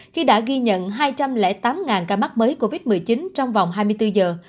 khi đã ghi nhận hai trăm linh tám ca mắc mới covid một mươi chín trong vòng hai mươi bốn giờ